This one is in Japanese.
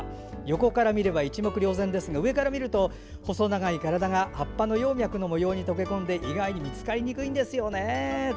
横から見ると一目瞭然ですが上から見ると細長い体が葉っぱの葉脈の模様に溶け込んで意外に見つかりにくいんですよね。